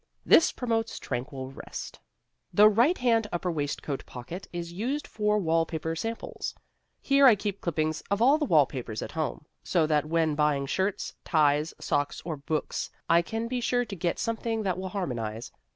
This promotes tranquil rest. The right hand upper waistcoat pocket is used for wall paper samples. Here I keep clippings of all the wallpapers at home, so that when buying shirts, ties, socks or books I can be sure to get something that will harmonize.